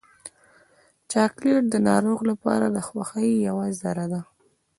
چاکلېټ د ناروغ لپاره د خوښۍ یوه ذره ده.